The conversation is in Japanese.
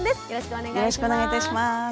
よろしくお願いします。